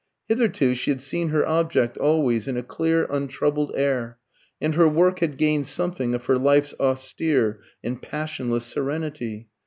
Hitherto she had seen her object always in a clear untroubled air, and her work had gained something of her life's austere and passionless serenity.